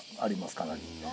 かなり。